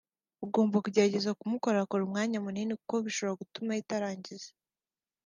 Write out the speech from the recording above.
ugomba kugerageza kumukorakora umwanya munini kuko byo bishobora gutuma ahita arangiza